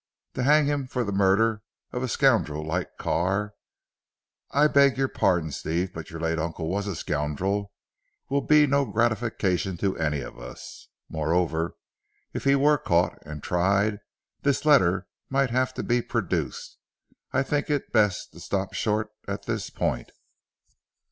To hang him for the murder of a scoundrel like Carr I beg your pardon Steve but your late uncle was a scoundrel will be no gratification to any of us. Moreover if he were caught and tried, this letter might have to be produced. I think it best to stop short at this point."